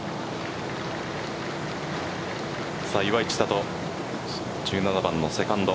岩井千怜、１７番のセカンド。